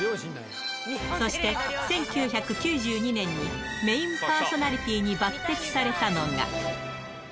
そして、１９９２年に、メインパーソナリティーに抜てきされたのが。